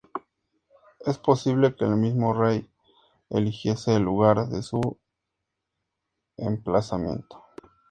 Es posible que el mismo Rey eligiese el lugar de su emplazamiento.